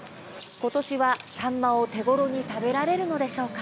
今年はサンマを手ごろに食べられるのでしょうか。